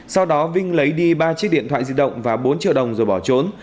sau đó vinh lấy đi ba chiếc điện thoại di động và bốn triệu đồng rồi bỏ trốn